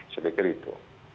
saya pikir itu